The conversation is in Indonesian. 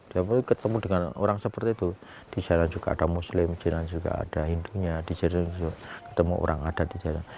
tapi ketemu dengan orang seperti itu di jalan juga ada muslim di jalan juga ada hindu di jalan juga ketemu orang adat di jalan